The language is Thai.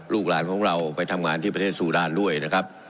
ลูกหลานของเราไปทำงานที่ประเทศซูดานด้วยนะครับ